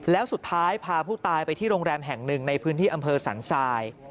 แล้วสุดท้ายพาผู้ตายไปที่โรงแรมแห่งหนึ่งในพื้นที่อำเภอสันทราย